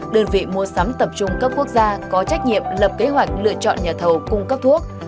đơn vị mua sắm tập trung cấp quốc gia có trách nhiệm lập kế hoạch lựa chọn nhà thầu cung cấp thuốc